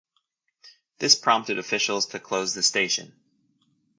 This prompted officials to close the station.